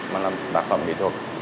mà là một sản phẩm nghệ thuật